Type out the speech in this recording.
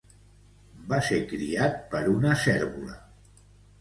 Va ser criat per una cérvola.